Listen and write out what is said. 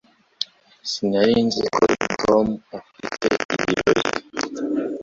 Sinari nzi ko Tom afite ibirori